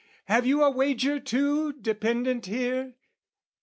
"Have you a wager too dependent here?